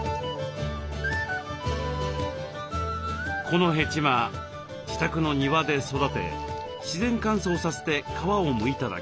このヘチマ自宅の庭で育て自然乾燥させて皮をむいただけ。